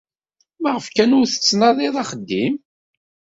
Maɣef kan ur d-tettnadiḍ axeddim?